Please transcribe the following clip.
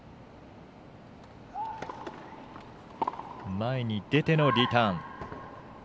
前に出てのリターン。